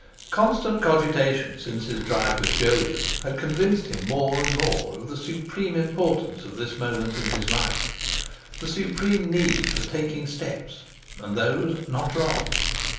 Constant cogitation since his drive with Jolyon had convinced him more and more of the supreme importance of this moment in his life, the supreme need for taking steps and those not wrong.